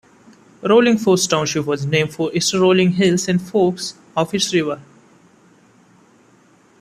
Rolling Forks Township was named for its rolling hills and forks of its river.